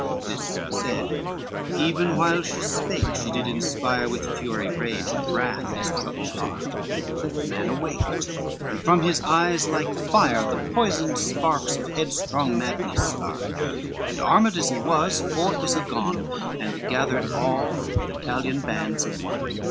This said; even while she spake she did inspire With fury, rage, and wrath his troubled heart: The man awaked, and from his eyes like fire The poisoned sparks of headstrong madness start, And armed as he was, forth is he gone, And gathered all the Italian bands in one.